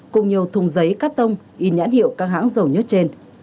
cùng nhiều thùng giấy cắt tông in nhãn hiệu các hãng dầu nhất trên